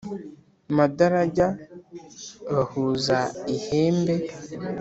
madarajya bavuza ihembe l